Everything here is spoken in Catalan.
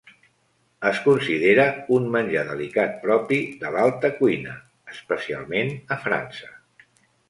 Es considera un menjar delicat propi de l'alta cuina especialment a França.